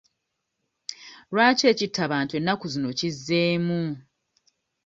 Lwaki ekittabantu ennaku zino kizzeemu?